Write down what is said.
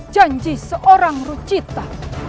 janji seorang rucita